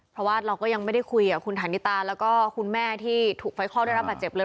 เพราะว่าเราก็ยังไม่ได้คุยกับคุณฐานิตาแล้วก็คุณแม่ที่ถูกไฟคลอกได้รับบาดเจ็บเลย